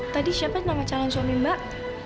tadi siapa nama calon suami mbak